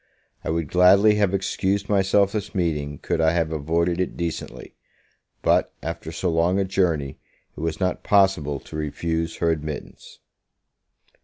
I would gladly have excused myself this meeting, could I have avoided it decently; but, after so long a journey, it was not possible to refuse her admittance.